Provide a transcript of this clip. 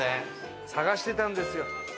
探してたんですよ。